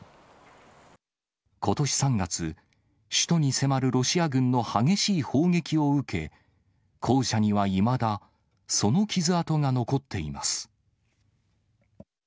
ことし３月、首都に迫るロシア軍の激しい砲撃を受け、校舎にはいまだ、その傷痕が残っています。